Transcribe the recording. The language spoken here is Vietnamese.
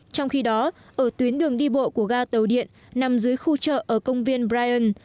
trong khi đó ở tuyến đường đi bộ của ga tàu điện nằm dưới khu chợ ở công viên brien